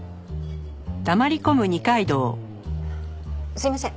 すいません